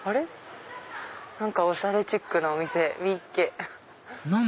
何かおしゃれチックなお店見っけ！